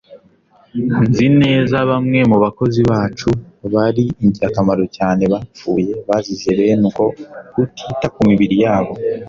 nzi neza bamwe mu bakozi bacu bari ingirakamaro cyane bapfuye bazize bene uko kutita ku mibiri yabo